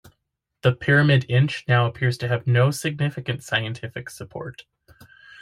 The pyramid inch now appears to have no significant scientific support.